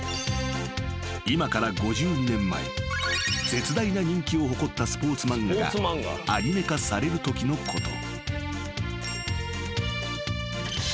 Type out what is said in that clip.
［絶大な人気を誇ったスポーツ漫画がアニメ化されるときのこと］